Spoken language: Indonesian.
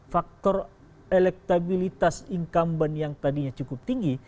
faktor elektabilitas incumbent yang tadinya cukup tinggi